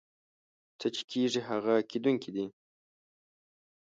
څه چې کېږي هغه کېدونکي دي.